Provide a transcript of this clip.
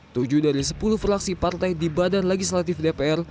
tujuh dari sepuluh fraksi partai di badan legislatif dpr